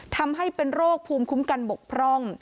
ทำให้เป็นโรคภูมิคุ้มกันบกพร่อง